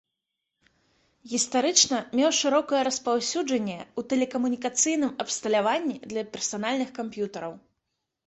Гістарычна меў шырокае распаўсюджанне ў тэлекамунікацыйным абсталяванні для персанальных камп'ютараў.